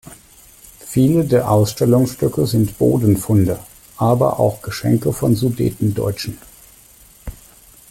Viele der Ausstellungsstücke sind Bodenfunde, aber auch Geschenke von Sudetendeutschen.